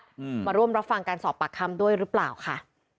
อืมมาร่วมรับฟังการสอบปากคำด้วยหรือเปล่าค่ะ